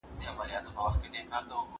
آيا زوجين پر خپلو منځو کي حقوق لري؟